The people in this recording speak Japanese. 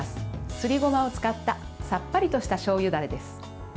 すりごまを使ったさっぱりとしたしょうゆダレです。